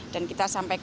dan kita sampaikan